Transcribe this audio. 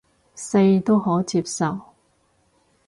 四都可接受